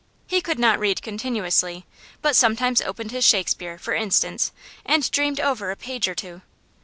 He could not read continuously, but sometimes he opened his Shakespeare, for instance, and dreamed over a page or two.